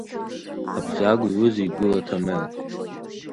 Абзагә иҩыза, игәыла Ҭамел…